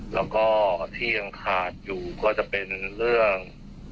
แล้วก็ที่ยังขาดอยู่ก็จะเป็นเรื่อง